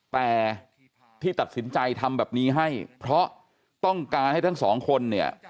แต่ที่ตัดสินใจทำแบบนี้ให้เพราะต้องการให้ทั้งสองคนเนี่ย